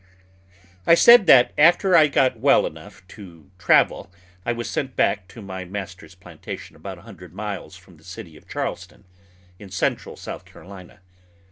I said that after I got well enough to travel I was sent back home to my master's plantation, about a hundred miles from the city of Charleston, in central South Carolina.